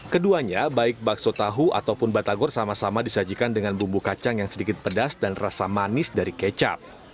keduanya baik bakso tahu ataupun batagor sama sama disajikan dengan bumbu kacang yang sedikit pedas dan rasa manis dari kecap